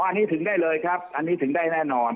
อันนี้ถึงได้เลยครับอันนี้ถึงได้แน่นอน